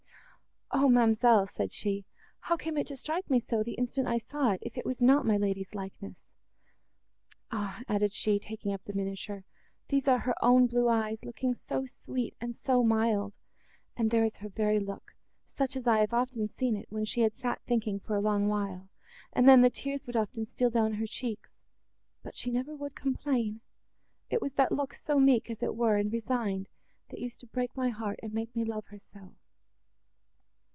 "O, ma'amselle!" said she, "how came it to strike me so, the instant I saw it, if it was not my lady's likeness? Ah!" added she, taking up the miniature, "these are her own blue eyes—looking so sweet and so mild; and there is her very look, such as I have often seen it, when she had sat thinking for a long while, and then, the tears would often steal down her cheeks—but she never would complain! It was that look so meek, as it were, and resigned, that used to break my heart and make me love her so!"